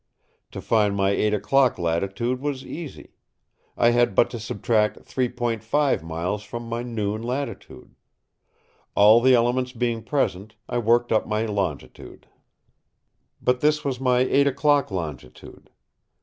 To find my eight o'clock' latitude was easy. I had but to subtract 3.5 miles from my noon latitude. All the elements being present, I worked up my longitude. But this was my eight o'clock longitude.